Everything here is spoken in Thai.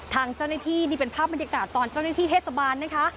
ทางเจ้าหน้าที่นี่เป็นภาพบรรยากาศตอนเจ้าหน้าที่เทศบาลนะคะ